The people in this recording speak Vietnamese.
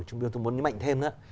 chúng tôi muốn mạnh thêm nữa